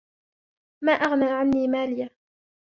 ما أغنى عني ماليه